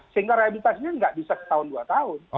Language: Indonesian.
sehingga rehabilitasinya nggak bisa setahun dua tahun